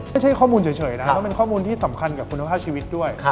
ไม่ใช่ข้อมูลเฉยนะเพราะเป็นข้อมูลที่สำคัญกับคุณภาพชีวิตด้วย